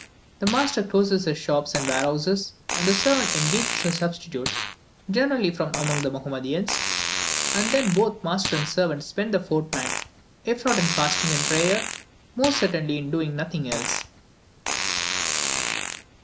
The master closes his shops and warehouses, and the servant engages a substitute, generally from among the Mahomedans, and then both master and servant spend the fortnight, if not in fasting and prayer, most certainly in doing nothing else.